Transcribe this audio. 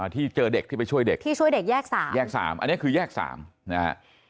ที่เจอเด็กที่ไปช่วยเด็กที่ช่วยเด็กแยก๓แยก๓อันนี้คือแยก๓นะฮะ